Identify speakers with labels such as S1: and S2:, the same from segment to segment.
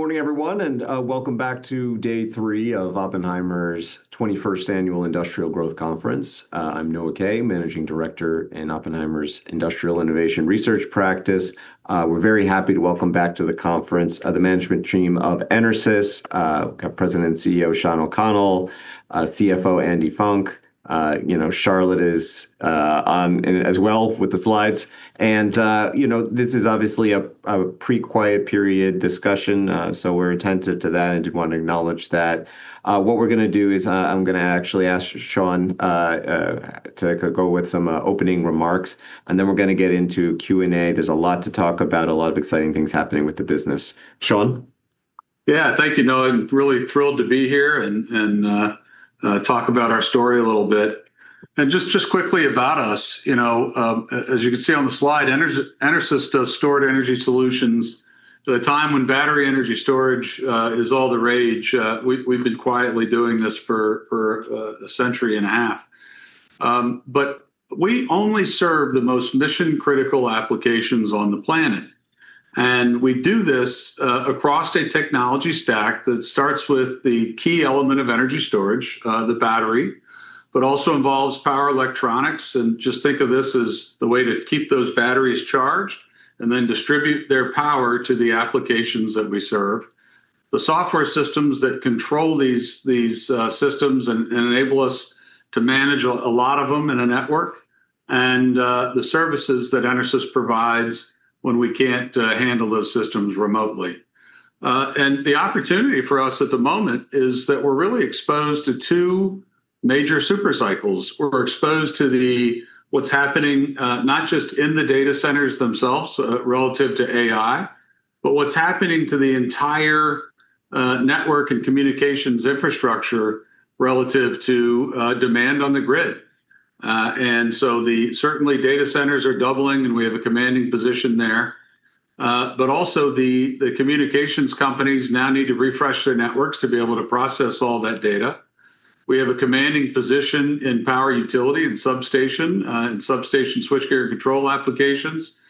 S1: Well, good morning, everyone, and welcome back to day three of Oppenheimer's 21st Annual Industrial Growth conference. I'm Noah Kaye, Managing Director in Oppenheimer's Industrial Innovation Research practice. We're very happy to welcome back to the conference, the management team of EnerSys, President and CEO, Shawn O'Connell, CFO, Andi Funk. You know, Charlotte is on and as well with the slides. You know, this is obviously a pre-quiet period discussion, we're attentive to that and did want to acknowledge that. What we're gonna do is, I'm gonna actually ask Shawn to go with some opening remarks, and then we're gonna get into Q&A. There's a lot to talk about, a lot of exciting things happening with the business. Shawn?
S2: Yeah. Thank you, Noah. I'm really thrilled to be here and talk about our story a little bit. Just quickly about us, you know, as you can see on the slide, EnerSys does stored energy solutions at a time when battery energy storage is all the rage. We've been quietly doing this for a century and a half. We only serve the most mission-critical applications on the planet, and we do this across a technology stack that starts with the key element of energy storage, the battery, but also involves power electronics, and just think of this as the way to keep those batteries charged and then distribute their power to the applications that we serve. The software systems that control these systems and enable us to manage a lot of them in a network and the services that EnerSys provides when we can't handle those systems remotely. The opportunity for us at the moment is that we're really exposed to two major super cycles. We're exposed to the what's happening not just in the data centers themselves relative to AI, but what's happening to the entire network and communications infrastructure relative to demand on the grid. Certainly data centers are doubling, and we have a commanding position there. Also the communications companies now need to refresh their networks to be able to process all that data. We have a commanding position in power utility and substation and substation switchgear control applications.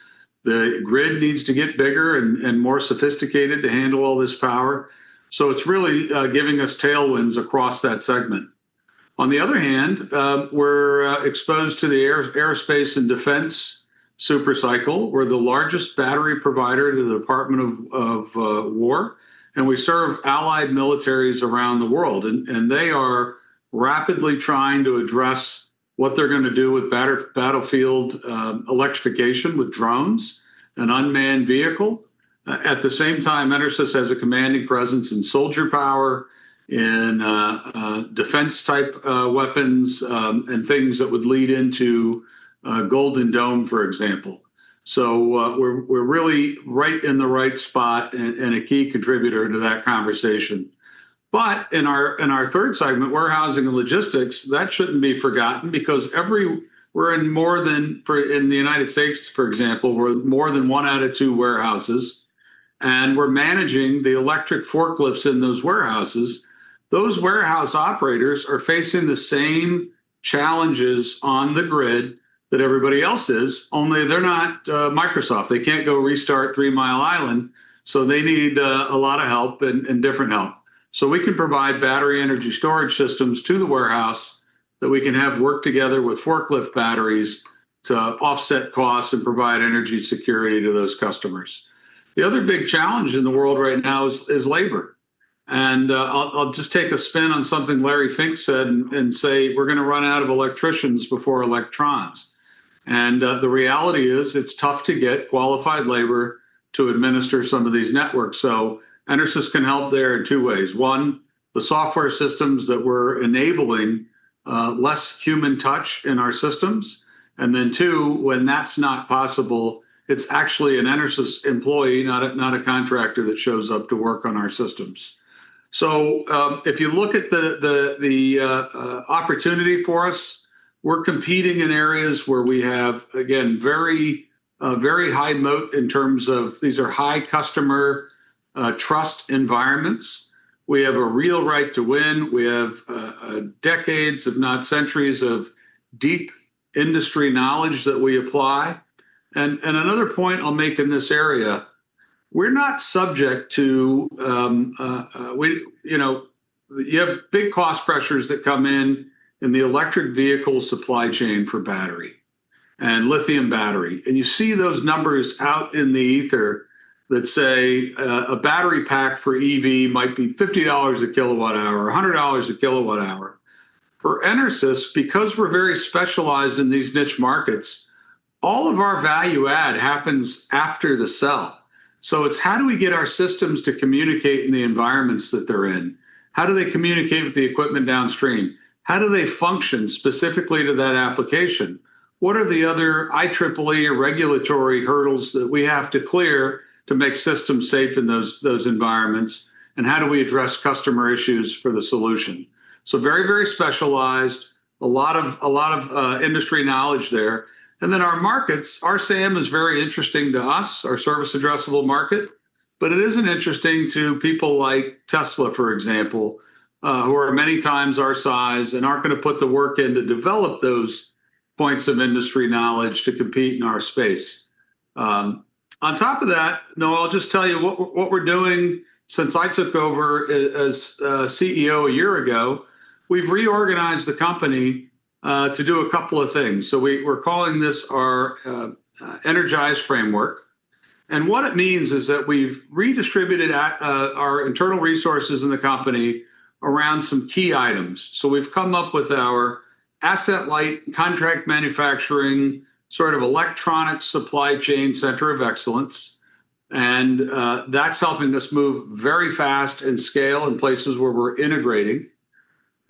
S2: The grid needs to get bigger and more sophisticated to handle all this power. It's really giving us tailwinds across that segment. On the other hand, we're exposed to the aerospace and defense super cycle. We're the largest battery provider to the Department of War, and we serve allied militaries around the world and they are rapidly trying to address what they're going to do with battlefield electrification with drones and unmanned vehicle. At the same time, EnerSys has a commanding presence in soldier power, in defense-type weapons, and things that would lead into Golden Dome, for example. We're really right in the right spot and a key contributor to that conversation. In our third segment, warehousing and logistics, that shouldn't be forgotten because we're in more than, in the U.S., for example, we're more than one out of two warehouses, and we're managing the electric forklifts in those warehouses. Those warehouse operators are facing the same challenges on the grid that everybody else is, only they're not Microsoft. They can't go restart Three Mile Island, they need a lot of help and different help. We can provide battery energy storage systems to the warehouse that we can have work together with forklift batteries to offset costs and provide energy security to those customers. The other big challenge in the world right now is labor, and I'll just take a spin on something Larry Fink said and say we're gonna run out of electricians before electrons. The reality is it's tough to get qualified labor to administer some of these networks. EnerSys can help there in two ways. One, the software systems that we're enabling, less human touch in our systems. Two, when that's not possible, it's actually an EnerSys employee, not a contractor that shows up to work on our systems. If you look at the opportunity for us, we're competing in areas where we have, again, very high moat in terms of these are high customer trust environments. We have a real right to win. We have decades, if not centuries, of deep industry knowledge that we apply. Another point I'll make in this area, we're not subject to, you know, you have big cost pressures that come in in the electric vehicle supply chain for battery and lithium battery, and you see those numbers out in the ether that say, a battery pack for EV might be $50 a kWh or $100 a kWh. For EnerSys, because we're very specialized in these niche markets, all of our value add happens after the sell. It's how do we get our systems to communicate in the environments that they're in? How do they communicate with the equipment downstream? How do they function specifically to that application? What are the other IEEE regulatory hurdles that we have to clear to make systems safe in those environments, and how do we address customer issues for the solution? Very, very specialized. A lot of industry knowledge there. Our markets, our SAM is very interesting to us, our service addressable market, but it isn't interesting to people like Tesla, for example, who are many times our size and aren't gonna put the work in to develop those points of industry knowledge to compete in our space. On top of that, Noah, I'll just tell you what we're doing since I took over as CEO a year ago, we've reorganized the company to do a couple of things. We're calling this our EnerGize framework, and what it means is that we've redistributed our internal resources in the company around some key items. We've come up with our asset-light contract manufacturing, sort of electronic supply chain center of excellence, and that's helping us move very fast and scale in places where we're integrating.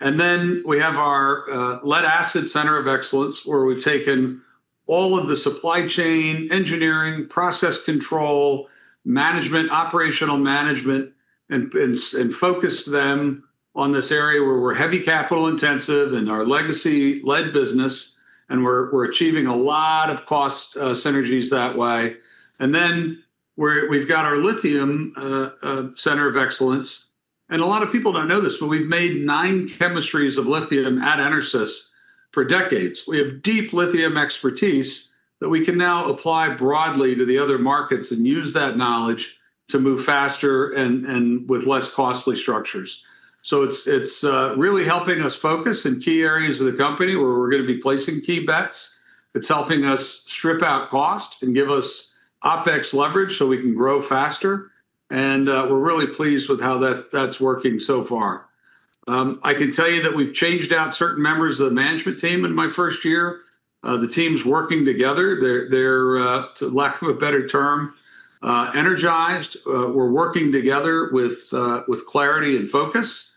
S2: We have our lead-acid center of excellence, where we've taken all of the supply chain, engineering, process control, management, operational management, and focused them on this area where we're heavy capital intensive in our legacy lead business, and we're achieving a lot of cost synergies that way. We've got our lithium center of excellence, and a lot of people don't know this, but we've made 9 chemistries of lithium at EnerSys for decades. We have deep lithium expertise that we can now apply broadly to the other markets and use that knowledge to move faster and with less costly structures. It's really helping us focus in key areas of the company where we're gonna be placing key bets. It's helping us strip out cost and give us OpEx leverage so we can grow faster, we're really pleased with how that's working so far. I can tell you that we've changed out certain members of the management team in my first year. The team's working together. They're to lack of a better term, energized. We're working together with clarity and focus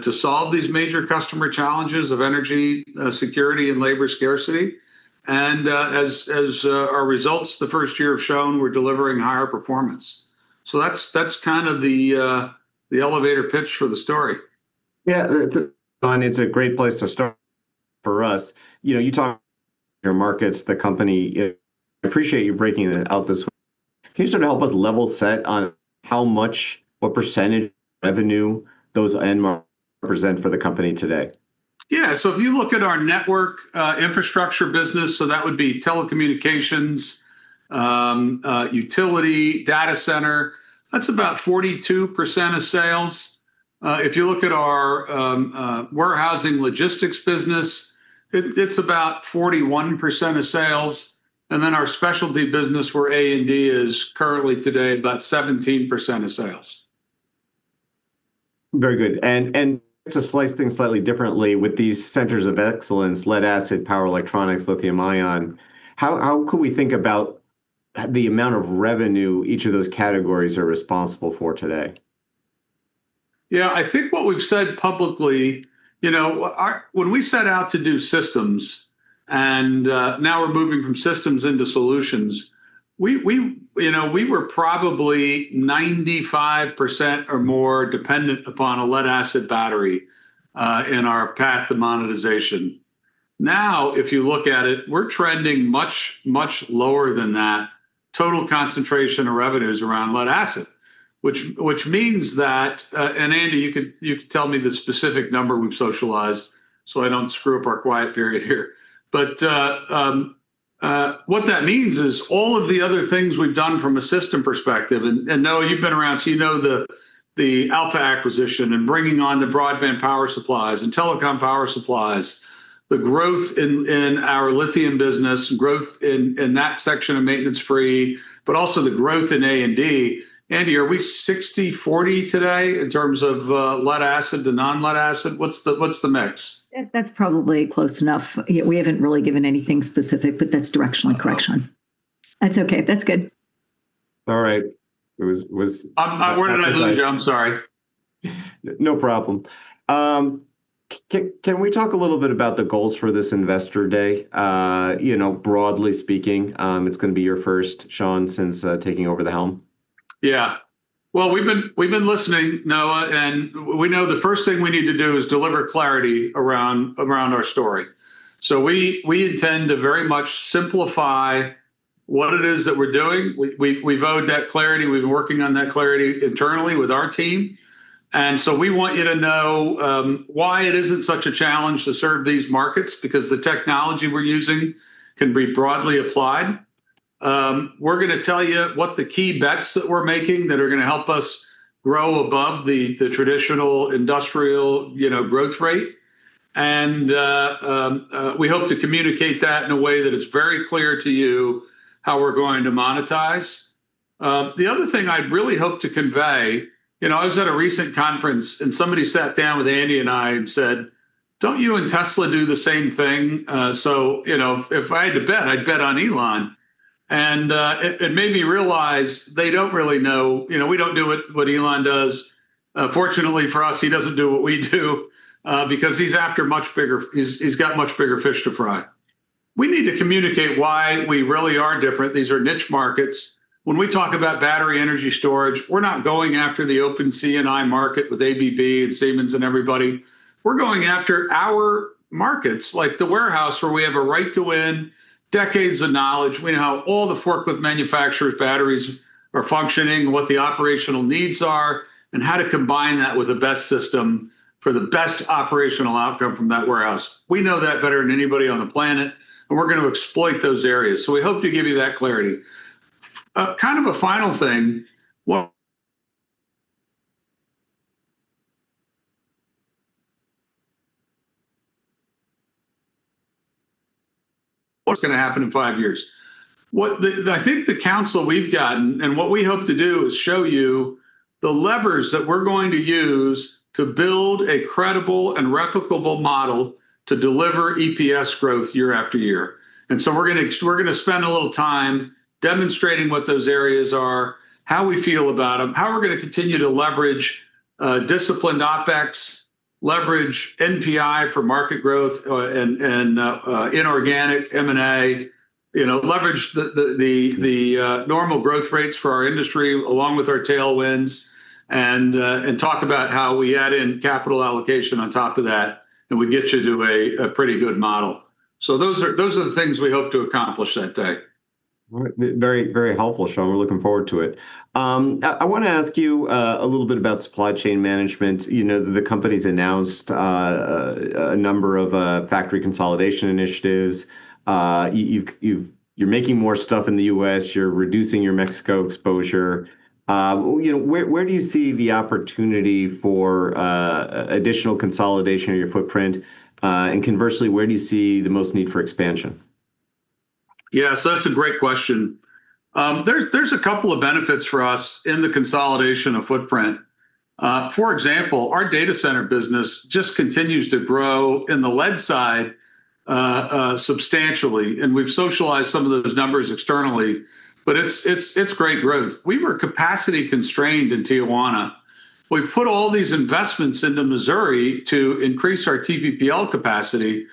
S2: to solve these major customer challenges of energy, security, and labor scarcity. As our results the first year have shown, we're delivering higher performance. That's kind of the elevator pitch for the story.
S1: Yeah, it's a great place to start for us. You know, you talk your markets, the company. I appreciate you breaking it out this way. Can you sort of help us level set on how much, what percentage of revenue those end markets present for the company today?
S2: Yeah. If you look at our network infrastructure business, that would be telecommunications, utility, data center, that's about 42% of sales. If you look at our warehousing logistics business, it's about 41% of sales. Our specialty business for A&D is currently today about 17% of sales.
S1: Very good. To slice things slightly differently, with these centers of excellence, lead-acid, power electronics, lithium ion, how could we think about the amount of revenue each of those categories are responsible for today?
S2: Yeah. I think what we've said publicly, you know, when we set out to do systems, and now we're moving from systems into solutions, we, you know, we were probably 95% or more dependent upon a lead-acid battery in our path to monetization. Now, if you look at it, we're trending much, much lower than that. Total concentration of revenue is around lead-acid, which means that, and Andi, you can tell me the specific number we've socialized so I don't screw up our quiet period here. What that means is all of the other things we've done from a system perspective, and, Noah, you've been around, so you know the Alpha acquisition and bringing on the broadband power supplies and telecom power supplies, the growth in our lithium business, growth in that section of maintenance-free, but also the growth in A&D. Andi, are we 60/40 today in terms of lead acid to non-lead acid? What's the, what's the mix?
S3: That's probably close enough. Yeah, we haven't really given anything specific, but that's directionally correct, Shawn.
S2: Oh.
S3: That's okay. That's good.
S1: All right. It was.
S2: I'm organizing, I'm sorry.
S1: No problem. Can we talk a little bit about the goals for this Investor Day? You know, broadly speaking, it's gonna be your first, Shawn, since taking over the helm.
S2: Yeah. Well, we've been listening, Noah, and we know the first thing we need to do is deliver clarity around our story. We intend to very much simplify what it is that we're doing. We vowed that clarity. We've been working on that clarity internally with our team. We want you to know why it isn't such a challenge to serve these markets, because the technology we're using can be broadly applied. We're gonna tell you what the key bets that we're making that are gonna help us grow above the traditional industrial, you know, growth rate, and we hope to communicate that in a way that it's very clear to you how we're going to monetize. The other thing I'd really hope to convey, you know, I was at a recent conference, and somebody sat down with Andi and I and said, "Don't you and Tesla do the same thing? So, you know, if I had to bet, I'd bet on Elon." It made me realize they don't really know, you know, we don't do what Elon does. Fortunately for us, he doesn't do what we do, because he's got much bigger fish to fry. We need to communicate why we really are different. These are niche markets. When we talk about battery energy storage, we're not going after the open C&I market with ABB and Siemens and everybody. We're going after our markets, like the warehouse, where we have a right to win, decades of knowledge. We know how all the forklift manufacturers' batteries are functioning, what the operational needs are, and how to combine that with the best system for the best operational outcome from that warehouse. We know that better than anybody on the planet, we're gonna exploit those areas. We hope to give you that clarity. Kind of a final thing, What's gonna happen in five years? I think the counsel we've gotten and what we hope to do is show you the levers that we're going to use to build a credible and replicable model to deliver EPS growth year after year. We're gonna spend a little time demonstrating what those areas are, how we feel about them, how we're gonna continue to leverage disciplined OpEx, leverage NPI for market growth, and inorganic M&A. You know, leverage the normal growth rates for our industry along with our tailwinds and talk about how we add in capital allocation on top of that, and we get you to a pretty good model. Those are the things we hope to accomplish that day.
S1: All right. Very, very helpful, Shawn. We're looking forward to it. I wanna ask you a little bit about supply chain management. You know, the company's announced a number of factory consolidation initiatives. You're making more stuff in the U.S., you're reducing your Mexico exposure. You know, where do you see the opportunity for additional consolidation of your footprint? Conversely, where do you see the most need for expansion?
S2: Yeah. That's a great question. There's a couple of benefits for us in the consolidation of footprint. For example, our data center business just continues to grow in the lead side substantially, and we've socialized some of those numbers externally. It's great growth. We were capacity constrained in Tijuana. We've put all these investments into Missouri to increase our TPPL capacity,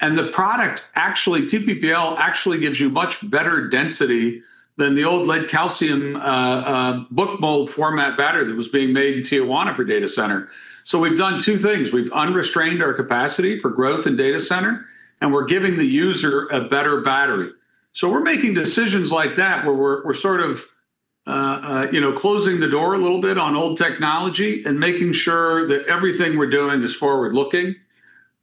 S2: and the product, actually, TPPL actually gives you much better density than the old lead-calcium book-mould format battery that was being made in Tijuana for data center. We've done two things. We've unrestrained our capacity for growth in data center, and we're giving the user a better battery. We're making decisions like that where we're sort of, you know, closing the door a little bit on old technology and making sure that everything we're doing is forward-looking.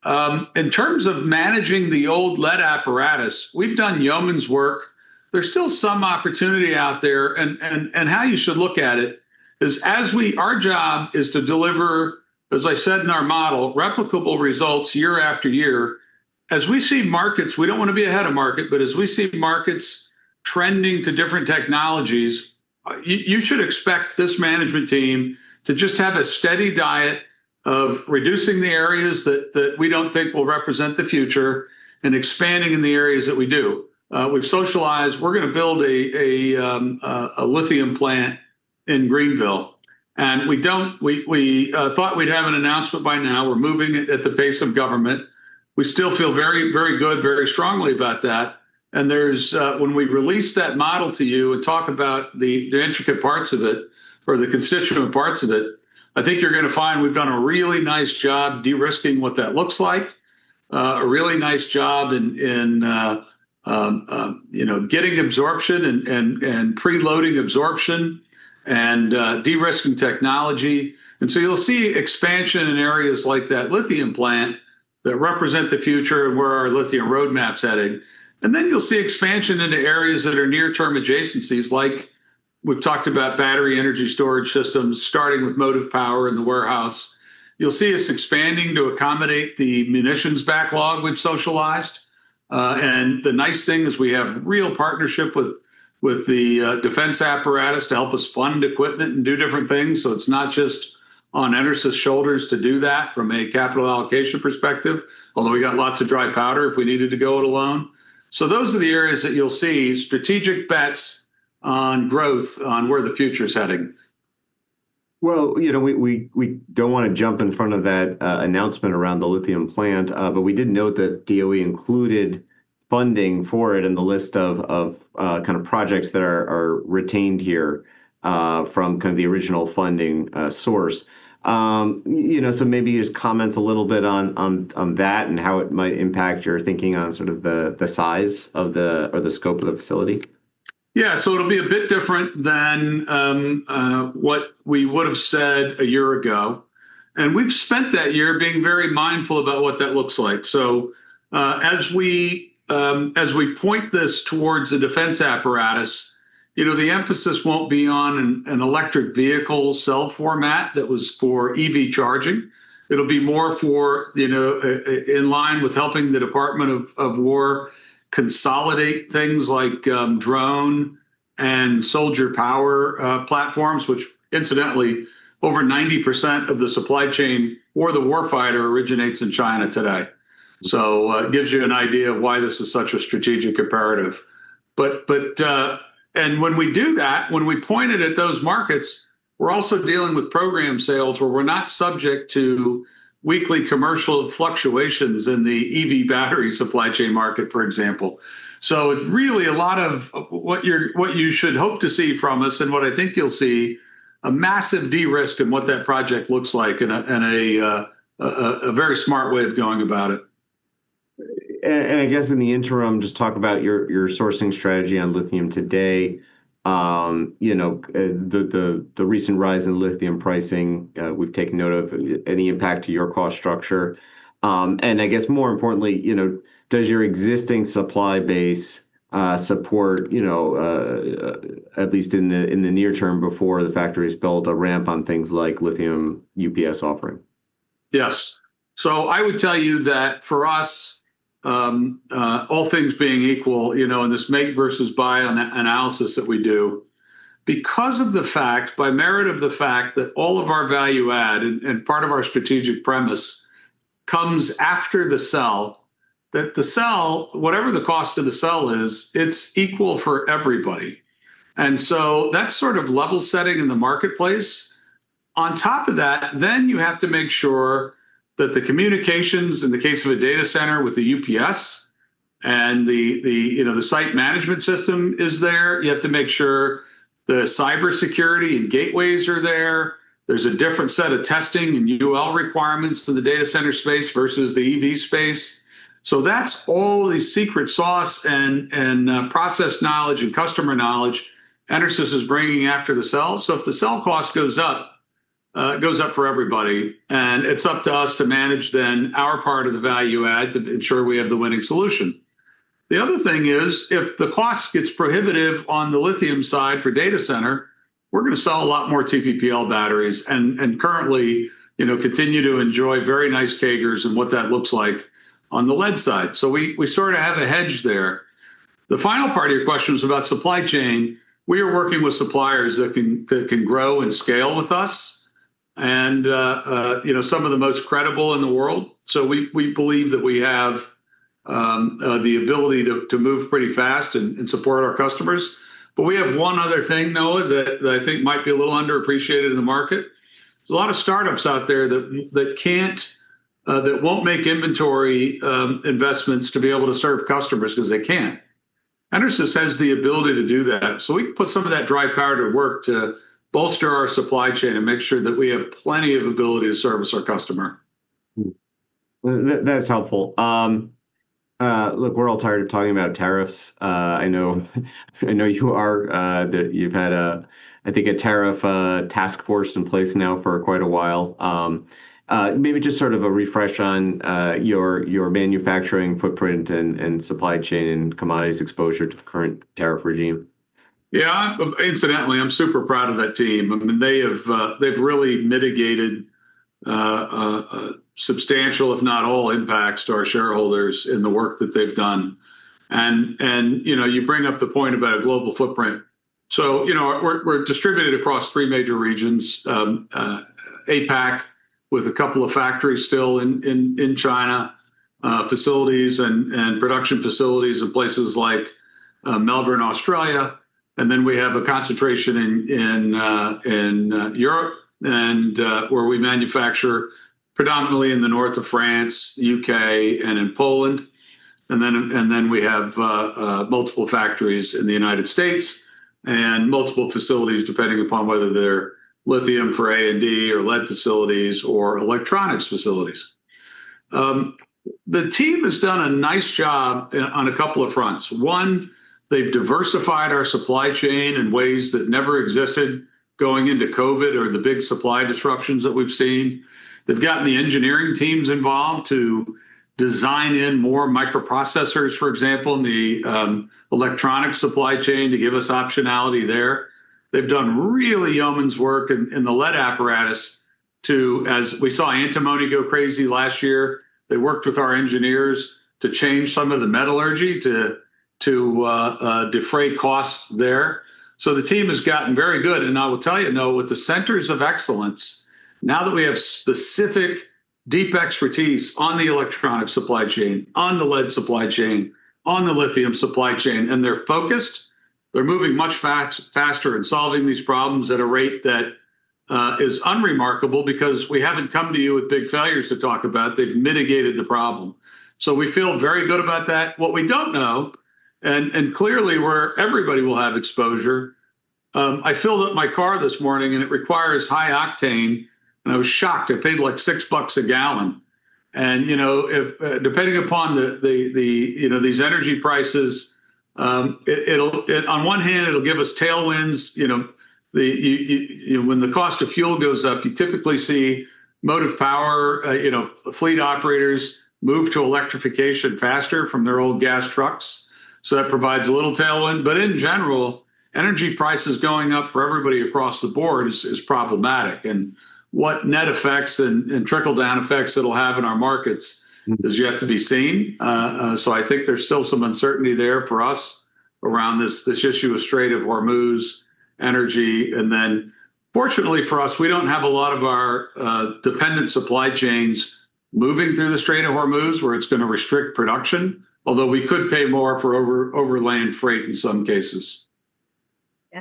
S2: In terms of managing the old lead apparatus, we've done yeoman's work. There's still some opportunity out there and how you should look at it is Our job is to deliver, as I said in our model, replicable results year after year. As we see markets, we don't wanna be ahead of market. As we see markets trending to different technologies, you should expect this management team to just have a steady diet of reducing the areas that we don't think will represent the future and expanding in the areas that we do. We've socialized, we're gonna build a lithium plant in Greenville. We thought we'd have an announcement by now. We're moving it at the pace of government. We still feel very good, very strongly about that. There's when we release that model to you and talk about the intricate parts of it or the constituent parts of it, I think you're gonna find we've done a really nice job de-risking what that looks like. A really nice job in, you know, getting absorption and pre-loading absorption and de-risking technology. You'll see expansion in areas like that lithium plant that represent the future and where our lithium roadmap's heading. You'll see expansion into areas that are near-term adjacencies, like we've talked about battery energy storage systems, starting with motive power in the warehouse. You'll see us expanding to accommodate the munitions backlog we've socialized. The nice thing is we have real partnership with the defense apparatus to help us fund equipment and do different things. It's not just on EnerSys' shoulders to do that from a capital allocation perspective, although we got lots of dry powder if we needed to go it alone. Those are the areas that you'll see strategic bets on growth on where the future is heading.
S1: Well, you know, we don't wanna jump in front of that announcement around the lithium plant. We did note that DOE included funding for it in the list of kind of projects that are retained here from kind of the original funding source. you know, so maybe just comment a little bit on that and how it might impact your thinking on sort of the size of the or the scope of the facility.
S2: Yeah. It'll be a bit different than what we would've said a year ago, and we've spent that year being very mindful about what that looks like. As we point this towards the defense apparatus, you know, the emphasis won't be on an electric vehicle cell format that was for EV charging. It'll be more for, you know, in line with helping the Department of War consolidate things like drone and soldier power platforms, which incidentally, over 90% of the supply chain or the war fighter originates in China today. It gives you an idea of why this is such a strategic imperative. When we do that, when we point it at those markets, we're also dealing with program sales where we're not subject to weekly commercial fluctuations in the EV battery supply chain market, for example. It's really a lot of what you're, what you should hope to see from us and what I think you'll see, a massive de-risk in what that project looks like and a very smart way of going about it.
S1: I guess in the interim, just talk about your sourcing strategy on lithium today. You know, the recent rise in lithium pricing, we've taken note of. Any impact to your cost structure? I guess more importantly, you know, does your existing supply base support, you know, at least in the, in the near term before the factories build a ramp on things like lithium UPS offering?
S2: Yes. I would tell you that for us, all things being equal, you know, in this make versus buy analysis that we do, because of the fact, by merit of the fact that all of our value add and part of our strategic premise comes after the cell, that the cell, whatever the cost of the cell is, it's equal for everybody. That's sort of level setting in the marketplace. On top of that, you have to make sure that the communications, in the case of a data center with the UPS and the, you know, the site management system is there. You have to make sure the cybersecurity and gateways are there. There's a different set of testing and UL requirements to the data center space versus the EV space. That's all the secret sauce and process knowledge and customer knowledge EnerSys is bringing after the cell. If the cell cost goes up, it goes up for everybody, and it's up to us to manage then our part of the value add to ensure we have the winning solution. The other thing is, if the cost gets prohibitive on the lithium side for data center, we're gonna sell a lot more TPPL batteries and currently, you know, continue to enjoy very nice CAGRs and what that looks like on the lead side. We sort of have a hedge there. The final part of your question was about supply chain. We are working with suppliers that can grow and scale with us and, you know, some of the most credible in the world. We believe that we have the ability to move pretty fast and support our customers. We have one other thing, Noah, that I think might be a little underappreciated in the market. There's a lot of startups out there that can't that won't make inventory investments to be able to serve customers because they can't. EnerSys has the ability to do that, so we can put some of that dry powder to work to bolster our supply chain and make sure that we have plenty of ability to service our customer.
S1: That's helpful. Look, we're all tired of talking about tariffs. I know you are, that you've had a, I think a tariff, task force in place now for quite a while. Maybe just sort of a refresh on, your manufacturing footprint and supply chain and commodities exposure to the current tariff regime.
S2: Yeah. Incidentally, I'm super proud of that team. I mean, they have, they've really mitigated substantial, if not all impacts to our shareholders in the work that they've done. You know, you bring up the point about a global footprint. You know, we're distributed across three major regions. APAC with a couple of factories still in China, facilities and production facilities in places like Melbourne, Australia. Then we have a concentration in Europe and where we manufacture predominantly in the north of France, U.K., and in Poland. Then we have multiple factories in the U.S. and multiple facilities, depending upon whether they're lithium for A&D or lead facilities or electronics facilities. The team has done a nice job on a couple of fronts. They've diversified our supply chain in ways that never existed going into COVID or the big supply disruptions that we've seen. They've gotten the engineering teams involved to design in more microprocessors, for example, in the electronic supply chain to give us optionality there. They've done really yeoman's work in the lead apparatus to, as we saw antimony go crazy last year, they worked with our engineers to change some of the metallurgy to defray costs there. The team has gotten very good. I will tell you, Noah, with the centers of excellence, now that we have specific deep expertise on the electronic supply chain, on the lead supply chain, on the lithium supply chain, and they're focused, they're moving much faster and solving these problems at a rate that is unremarkable because we haven't come to you with big failures to talk about. They've mitigated the problem. We feel very good about that. What we don't know, and clearly where everybody will have exposure, I filled up my car this morning, and it requires high octane, and I was shocked. I paid, like, $6 a gal. You know, if depending upon the, you know, these energy prices, On one hand, it'll give us tailwinds. You know, the, you know, when the cost of fuel goes up, you typically see motive power, you know, fleet operators move to electrification faster from their old gas trucks. That provides a little tailwind. In general, energy prices going up for everybody across the board is problematic. What net effects and trickle-down effects it'll have in our markets is yet to be seen. I think there's still some uncertainty there for us around this issue of Strait of Hormuz energy. Fortunately for us, we don't have a lot of our dependent supply chains moving through the Strait of Hormuz, where it's going to restrict production, although we could pay more for overland freight in some cases.
S3: I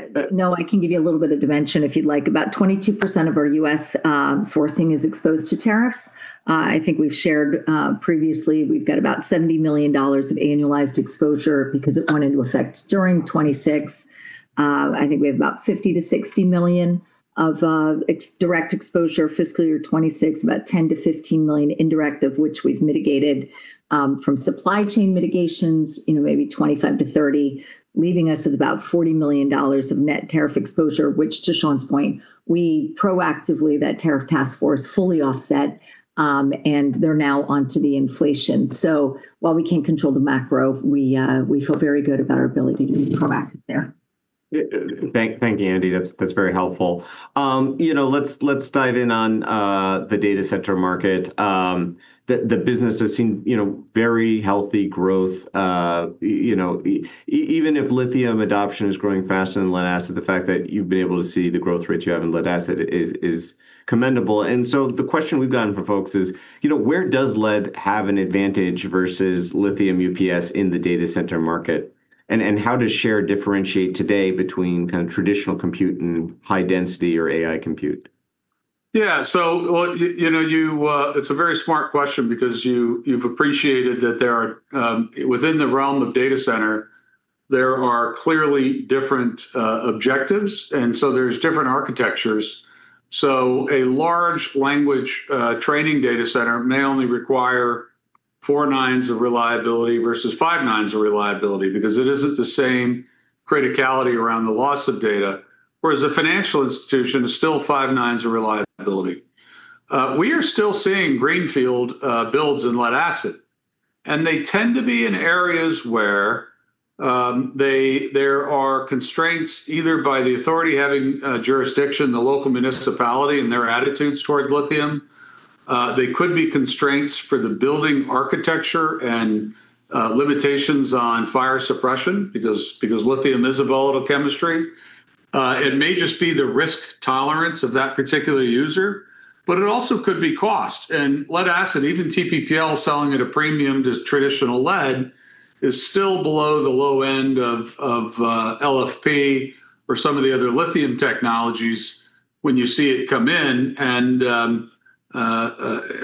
S3: can give you a little bit of dimension if you'd like. About 22% of our U.S. sourcing is exposed to tariffs. I think we've shared previously, we've got about $70 million of annualized exposure because it went into effect during 2026. I think we have about $50 million-$60 million of ex- direct exposure fiscal year 2026, about $10 million-$15 million indirect, of which we've mitigated from supply chain mitigations, you know, maybe $25 million-$30 million, leaving us with about $40 million of net tariff exposure, which to Shawn's point, we proactively, that tariff task force, fully offset. They're now onto the inflation. While we can't control the macro, we feel very good about our ability to be proactive there.
S1: Yeah. Thank you, Andi. That's very helpful. You know, let's dive in on the data center market. The business does seem, you know, very healthy growth. You know, even if lithium adoption is growing faster than lead acid, the fact that you've been able to see the growth rates you have in lead acid is commendable. The question we've gotten from folks is, you know, where does lead have an advantage versus lithium UPS in the data center market? How does EnerSys differentiate today between kind of traditional compute and high density or AI compute?
S2: Well, you know, you it's a very smart question because you've appreciated that there are within the realm of data center, there are clearly different objectives, and so there's different architectures. A large language training data center may only require four nines of reliability versus five nines of reliability because it isn't the same criticality around the loss of data, whereas a financial institution is still five nines of reliability. We are still seeing greenfield builds in lead acid, and they tend to be in areas where they, there are constraints either by the authority having jurisdiction, the local municipality and their attitudes toward lithium. They could be constraints for the building architecture and limitations on fire suppression because lithium is a volatile chemistry. It may just be the risk tolerance of that particular user, but it also could be cost. Lead acid, even TPPL selling at a premium to traditional lead, is still below the low end of LFP or some of the other lithium technologies when you see it come in.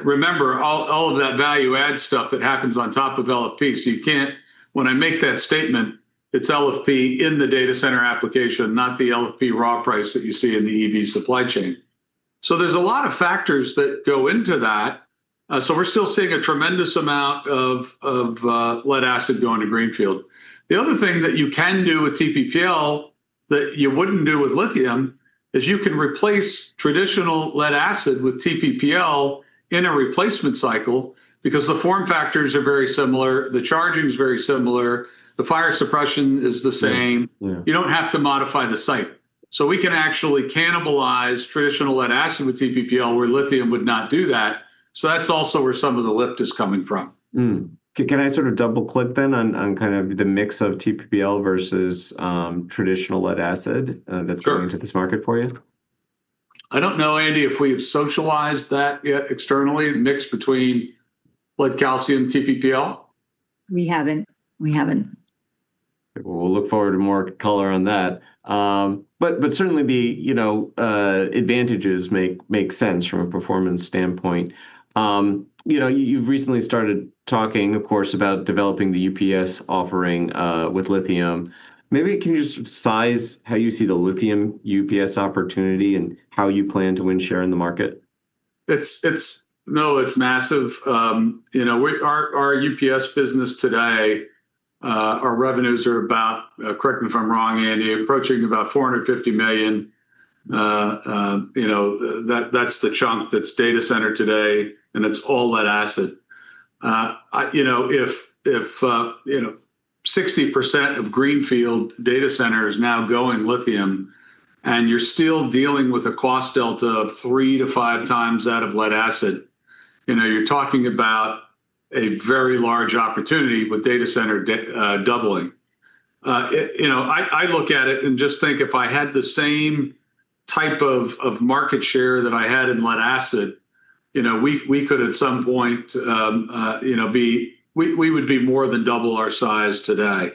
S2: Remember all of that value add stuff that happens on top of LFP, so you can't When I make that statement, it's LFP in the data center application, not the LFP raw price that you see in the EV supply chain. There's a lot of factors that go into that. We're still seeing a tremendous amount of lead acid going to greenfield. The other thing that you can do with TPPL that you wouldn't do with lithium is you can replace traditional lead acid with TPPL in a replacement cycle because the form factors are very similar. The charging is very similar. The fire suppression is the same.
S1: Yeah.
S2: You don't have to modify the site. We can actually cannibalize traditional lead-acid with TPPL, where lithium would not do that. That's also where some of the lift is coming from.
S1: Can I sort of double-click then on kind of the mix of TPPL versus traditional lead acid?
S2: Sure
S1: Coming to this market for you?
S2: I don't know, Andi, if we've socialized that yet externally, mix between lead-calcium TPPL.
S3: We haven't.
S1: Well, we'll look forward to more color on that. Certainly the, you know, advantages make sense from a performance standpoint. You know, you've recently started talking, of course, about developing the UPS offering with lithium. Maybe can you just size how you see the lithium UPS opportunity and how you plan to win share in the market?
S2: It's massive. You know, our UPS business today, our revenues are about, correct me if I'm wrong, Andi, approaching about $450 million. You know, that's the chunk that's data center today, and it's all lead acid. I you know, if you know, 60% of greenfield data center is now going lithium and you're still dealing with a cost delta of 3x-5x out of lead acid, you know, you're talking about a very large opportunity with data center doubling. It, you know, I look at it and just think if I had the same type of market share that I had in lead acid, you know, we could at some point, you know, we would be more than double our size today.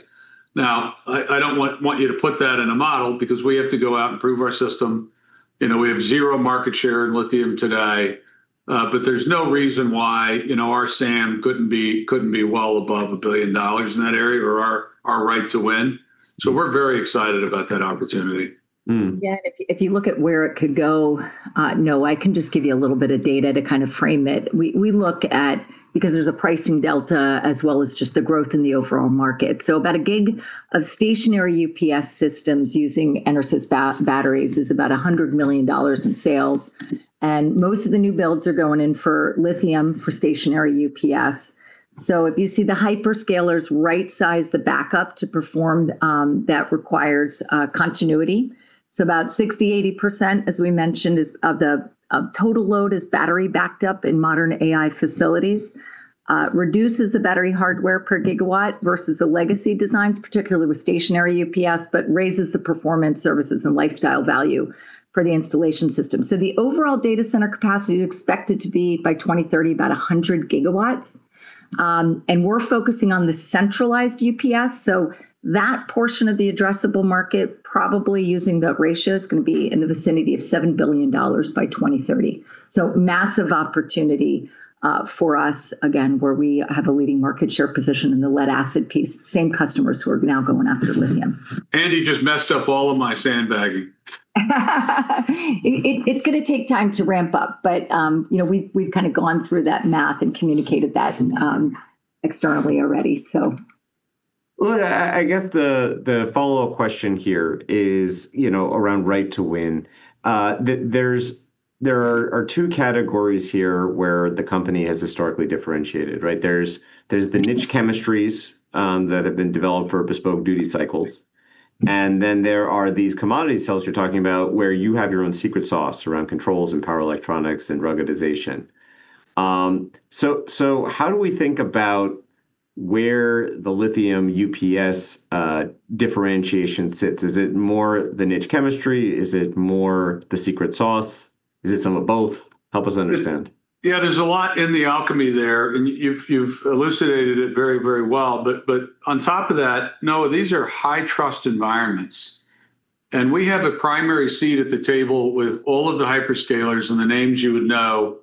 S2: Now, I don't want you to put that in a model because we have to go out and prove our system. You know, we have zero market share in lithium today. There's no reason why, you know, our SAM couldn't be well above $1 billion in that area or our right to win. We're very excited about that opportunity.
S3: Yeah. If, if you look at where it could go, I can just give you a little bit of data to kind of frame it. We, we look at, because there's a pricing delta as well as just the growth in the overall market. About 1 G of stationary UPS systems using EnerSys batteries is about $100 million in sales, and most of the new builds are going in for lithium for stationary UPS. If you see the hyperscalers right size the backup to perform, that requires continuity. About 60%-80%, as we mentioned, is of the, of total load is battery backed up in modern AI facilities, reduces the battery hardware per gigawatt versus the legacy designs, particularly with stationary UPS, but raises the performance, services, and lifecycle value for the installation system. The overall data center capacity is expected to be by 2030 about 100 GW. We're focusing on the centralized UPS, so that portion of the addressable market, probably using the ratio, is gonna be in the vicinity of $7 billion by 2030. Massive opportunity for us, again, where we have a leading market share position in the lead acid piece. Same customers who are now going after lithium.
S2: Andi just messed up all of my sandbagging.
S3: It's gonna take time to ramp up, but, you know, we've kind of gone through that math and communicated that externally already, so.
S1: I guess the follow-up question here is, you know, around right to win. There are two categories here where the company has historically differentiated, right? There's the niche chemistries that have been developed for bespoke duty cycles, and then there are these commodity cells you're talking about where you have your own secret sauce around controls and power electronics and ruggedization. How do we think about where the lithium UPS differentiation sits? Is it more the niche chemistry? Is it more the secret sauce? Is it some of both? Help us understand.
S2: Yeah, there's a lot in the alchemy there, and you've elucidated it very, very well. On top of that, no, these are high trust environments, and we have a primary seat at the table with all of the hyperscalers and the names you would know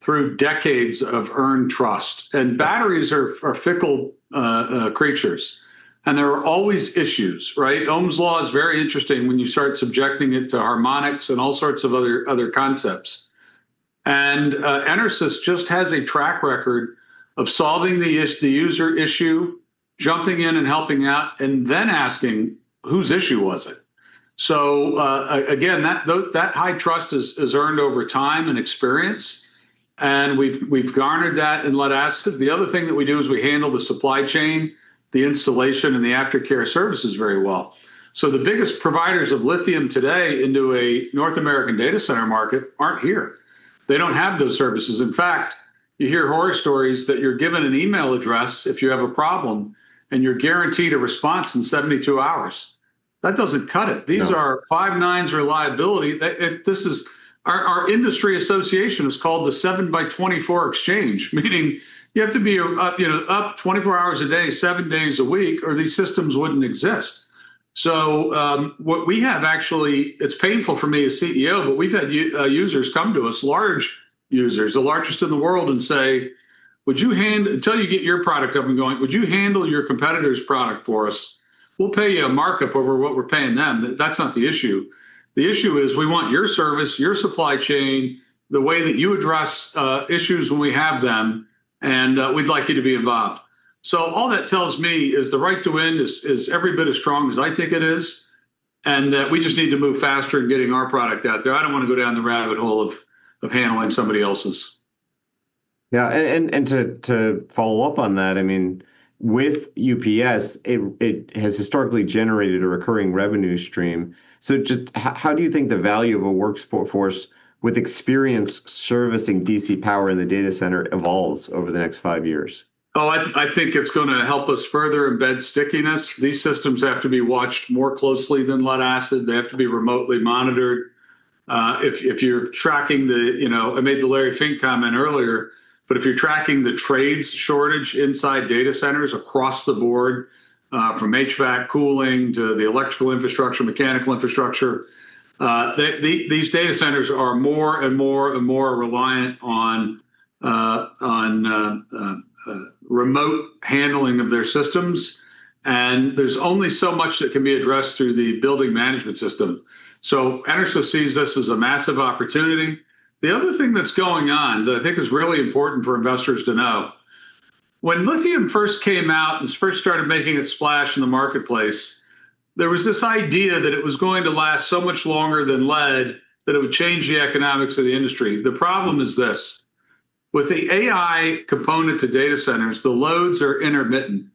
S2: through decades of earned trust. Batteries are fickle creatures, and there are always issues, right? Ohm's law is very interesting when you start subjecting it to harmonics and all sorts of other concepts. EnerSys just has a track record of solving the user issue, jumping in and helping out, and then asking whose issue was it. Again, that high trust is earned over time and experience, and we've garnered that in lead-acid. The other thing that we do is we handle the supply chain, the installation, and the aftercare services very well. The biggest providers of lithium today into a North American data center market aren't here. They don't have those services. In fact, you hear horror stories that you're given an email address if you have a problem, and you're guaranteed a response in 72 hours. That doesn't cut it.
S1: No.
S2: These are five nines reliability. They, this is our industry association is called the 7x24 Exchange, meaning you have to be up, you know, up 24 hours a day, seven days a week, or these systems wouldn't exist. What we have actually, it's painful for me as CEO, but we've had users come to us, large users, the largest in the world, and say, "Until you get your product up and going, would you handle your competitor's product for us? We'll pay you a markup over what we're paying them." That's not the issue. The issue is we want your service, your supply chain, the way that you address issues when we have them, and we'd like you to be involved. All that tells me is the right to win is every bit as strong as I think it is, and that we just need to move faster in getting our product out there. I don't wanna go down the rabbit hole of handling somebody else's.
S1: Yeah. To follow up on that, I mean, with UPS, it has historically generated a recurring revenue stream. Just how do you think the value of a workforce with experience servicing DC power in the data center evolves over the next five years?
S2: Oh, I think it's gonna help us further embed stickiness. These systems have to be watched more closely than lead-acid. They have to be remotely monitored. If you're tracking the, you know, I made the Andi Funk comment earlier, but if you're tracking the trades shortage inside data centers across the board, from HVAC cooling to the electrical infrastructure, mechanical infrastructure, these data centers are more and more reliant on remote handling of their systems. There's only so much that can be addressed through the building management system. EnerSys sees this as a massive opportunity. The other thing that's going on that I think is really important for investors to know, when lithium first came out and first started making a splash in the marketplace, there was this idea that it was going to last so much longer than lead, that it would change the economics of the industry. The problem is this. With the AI component to data centers, the loads are intermittent.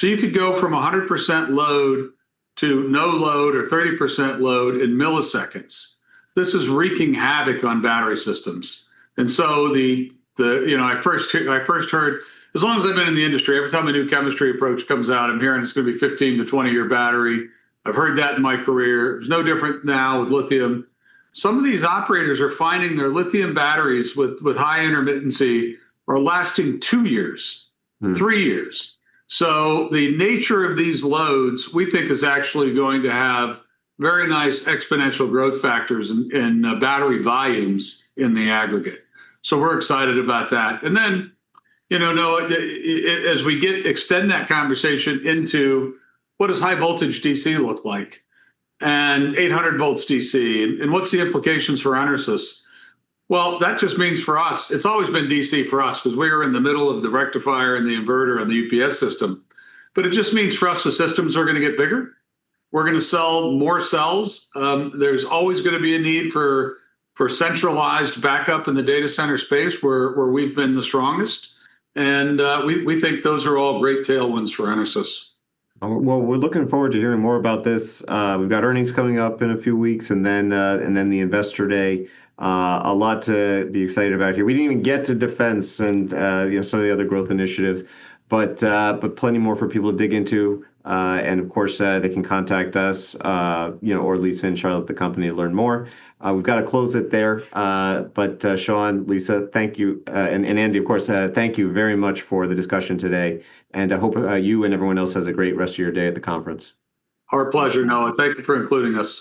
S2: You could go from 100% load to no load or 30% load in milliseconds. This is wreaking havoc on battery systems. The, you know, I first heard, as long as I've been in the industry, every time a new chemistry approach comes out, I'm hearing it's gonna be 15-20-year battery. I've heard that in my career. It's no different now with lithium. Some of these operators are finding their lithium batteries with high intermittency are lasting two years. Three years. The nature of these loads, we think, is actually going to have very nice exponential growth factors in battery volumes in the aggregate. We're excited about that. You know, Noah, as we extend that conversation into what does high voltage DC look like, and 800 VDC, and what's the implications for EnerSys? That just means for us, it's always been DC for us 'cause we are in the middle of the rectifier and the inverter and the UPS system. It just means for us the systems are gonna get bigger. We're gonna sell more cells. There's always gonna be a need for centralized backup in the data center space where we've been the strongest, and we think those are all great tailwinds for EnerSys.
S1: Well, we're looking forward to hearing more about this. We've got earnings coming up in a few weeks, and then the Investor Day. A lot to be excited about here. We didn't even get to defense and, you know, some of the other growth initiatives. Plenty more for people to dig into. Of course, they can contact us, you know, or Lisa Hartman and Shawn O'Connell at the company to learn more. We've got to close it there. Shawn O'Connell, Lisa Hartman, thank you. Andi, of course, thank you very much for the discussion today, I hope you and everyone else has a great rest of your day at the conference.
S2: Our pleasure, Noah. Thank you for including us.